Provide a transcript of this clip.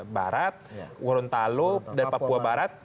barat worontalo dan papua barat